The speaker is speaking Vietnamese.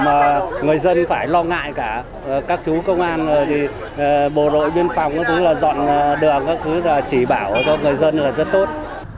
mà người dân phải lo ngại cả các chú công an bộ đội biên phòng cũng dọn đường chỉ bảo cho người dân là rất tốt